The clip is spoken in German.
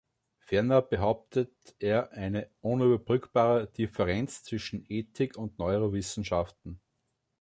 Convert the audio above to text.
Ferner behauptet er eine „unüberbrückbare Differenz zwischen Ethik und Neurowissenschaften“.